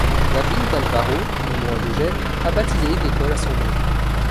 La ville d’Albaro, non loin de Gênes, a baptisé une école à son nom.